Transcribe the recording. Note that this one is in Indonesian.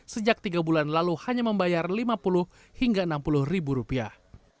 sejak tiga bulan lalu hanya membayar lima puluh hingga enam puluh ribu rupiah